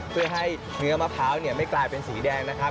เพื่อให้เนื้อมะพร้าวไม่กลายเป็นสีแดงนะครับ